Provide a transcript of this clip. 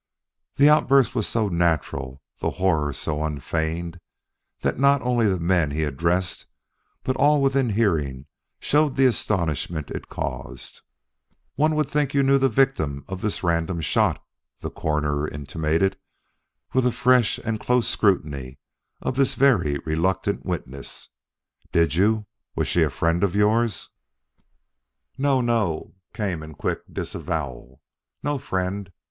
The outburst was so natural, the horror so unfeigned, that not only the men he addressed but all within hearing showed the astonishment it caused. "One would think you knew the victim of this random shot!" the Coroner intimated with a fresh and close scrutiny of this very reluctant witness. "Did you? Was she a friend of yours?" "No, no!" came in quick disavowal. "No friend.